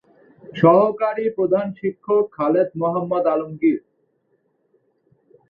সহকারী প্রধান শিক্ষক খালেদ মোহাম্মদ আলমগীর।